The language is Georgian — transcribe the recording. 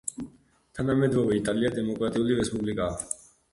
თანამედროვე იტალია დემოკრატიული რესპუბლიკაა.